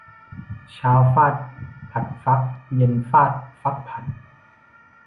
เช้าฟาดผัดฟัก เย็นฟาดฟักผัด